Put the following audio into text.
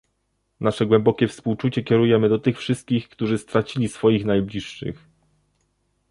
Nasze głębokie współczucie kierujemy do tych wszystkich, którzy stracili swoich najbliższych